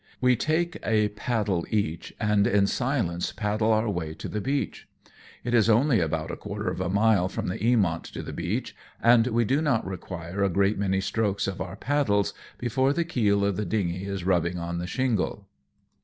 We take a paddle each, and in silence paddle our way to the beach. It is only about a quarter of a mile from the Eamont to the beach, and we do not require a great many strokes of our paddles. 126 AMONG TYPHOONS ANB PIRATE CRAFT. before the keel of the dingey is rubbing on the shingle.